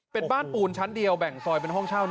เป็นบ้านปูนชั้นเดียวแบ่งซอยเป็นห้องเช่า